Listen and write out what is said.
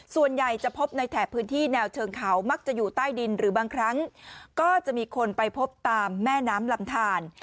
ส่วนใหญ่จะพบในแถบพื้นที่แนวเชิงเขามักจะอยู่ใต้ดินหรือบางครั้งก็จะมีคนไปพบตามแม่น้ำลำทาน